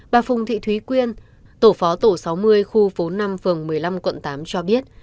bà phùng thị thúy quyên tổ phó tổ sáu mươi khu phố năm phường một mươi năm quận tám cho biết